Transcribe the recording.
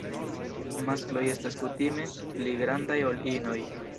Maskloj estas kutime pli grandaj ol inoj.